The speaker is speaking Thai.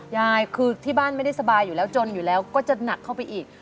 ยายคือที่บ้านไม่ได้สบายอยู่แล้วจนอยู่แล้วก็จะหนักเข้าไปอีก